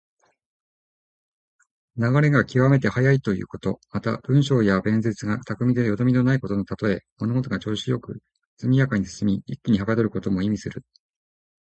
流れが極めて速いということ。また、文章や弁舌が巧みでよどみのないことのたとえ。物事が調子良く速やかに進み、一気にはかどることも意味する。